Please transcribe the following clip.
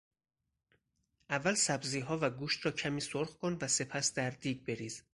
اول سبزیها و گوشت را کمی سرخ کن و سپس در دیگ بریز.